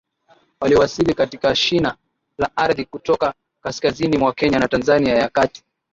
wliwasili katika shina la ardhi kutoka kaskazini mwa Kenya na Tanzania ya kati